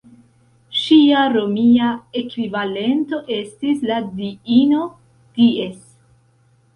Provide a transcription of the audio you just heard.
Ŝia romia ekvivalento estis la diino "Dies".